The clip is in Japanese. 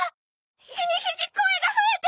日に日に声が増えて！